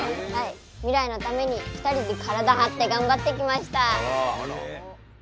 未来のために２人で体張って頑張ってきました。